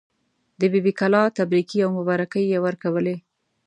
د بي بي کلا تبریکې او مبارکۍ یې ورکولې.